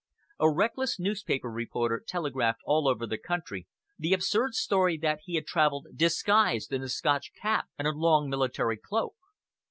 A reckless newspaper reporter telegraphed all over the country the absurd story that he had traveled disguised in a Scotch cap and a long military cloak.